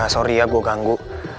sorry ya gua ganggu